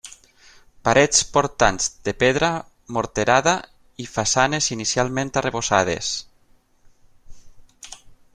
Parets portants de pedra morterada i façanes inicialment arrebossades.